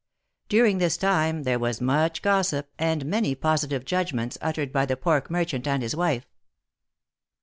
During this time there was much gossip and many positive judgments uttered by the pork merchant and his wife.